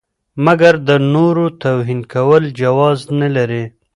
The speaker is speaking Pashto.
مګر د نورو توهین کول جواز نه لري.